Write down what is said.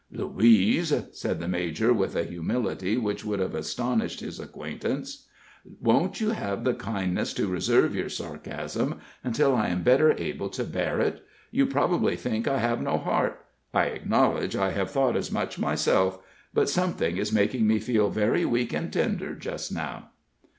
"Louise," said the major, with a humility which would have astonished his acquaintance, "won't you have the kindness to reserve your sarcasm until I am better able to bear it? You probably think I have no heart I acknowledge I have thought as much myself but something is making me feel very weak and tender just now."